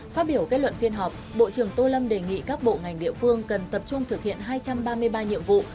phát biểu kết luận phiên họp bộ trưởng tô lâm đề nghị các bộ ngành địa phương cần tập trung thực hiện hai trăm ba mươi ba nhiệm vụ